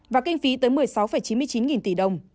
và kinh phí tới một mươi sáu chín mươi chín nghìn tỷ đồng